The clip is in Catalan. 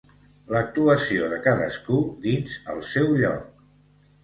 l'actuació de cadascú dins el seu lloc